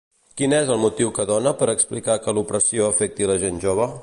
Quin és el motiu que dona per explicar que l'opressió afecti la gent jove?